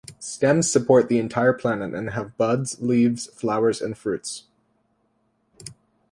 Stems support the entire plant and have buds, leaves, flowers, and fruits.